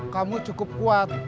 kamu cukup kuat